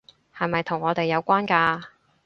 係咪同我哋有關㗎？